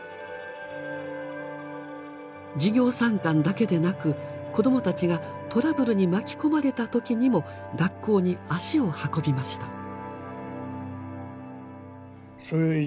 授業参観だけでなく子どもたちがトラブルに巻き込まれた時にも学校に足を運びました。